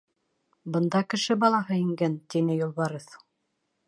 — Бында кеше балаһы ингән, — тине юлбарыҫ.